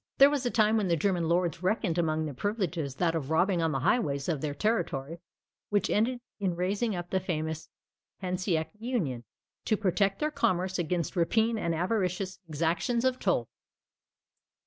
There was a time when the German lords reckoned amongst their privileges that of robbing on the highways of their territory; which ended in raising up the famous Hanseatic Union, to protect their commerce against rapine and avaricious exactions of toll.